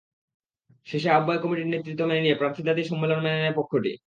শেষে আহ্বায়ক কমিটির নেতৃত্ব মেনে নিয়ে প্রার্থিতা দিয়ে সম্মেলন মেনে নেয় পক্ষটি।